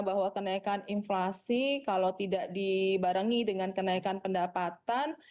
bahwa kenaikan inflasi kalau tidak dibarengi dengan kenaikan pendapatan